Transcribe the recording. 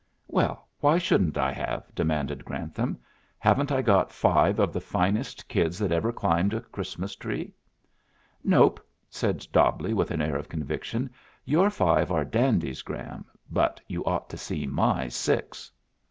"Well, why shouldn't I have?" demanded Grantham. "Haven't I got five of the finest kids that ever climbed a Christmas tree?" "Nope," said Dobbleigh, with an air of conviction. "Your five are dandies, Gran, but you ought to see my six."